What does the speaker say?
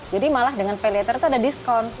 jadi malah dengan pay later itu ada diskon